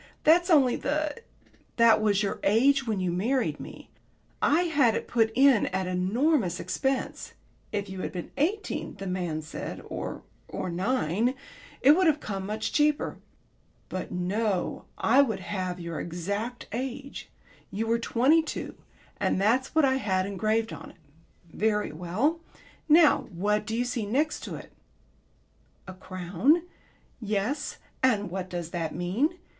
That's only the " "That was your age when you married me. I had it put in at enormous expense. If you had been eighteen, the man said, or or nine, it would have come much cheaper. But no, I would have your exact age. You were twenty two and that's what I had engraved on it. Very well. Now what do you see next to it?" "A crown." "Yes. And what does that mean?